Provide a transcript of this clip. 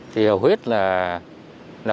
thì hiểu hết là